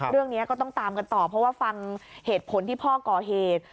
เรื่องนี้ก็ต้องตามกันต่อเพราะว่าฟังเหตุผลที่พ่อก่อเหตุ